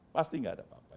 pasti tidak ada apa apanya